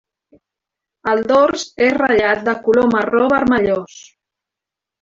El dors és ratllat de color marró vermellós.